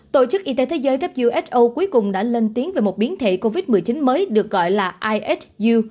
tổ chức y tế thế giới who cuối cùng đã lên tiếng về một biến thể covid một mươi chín mới được gọi là isu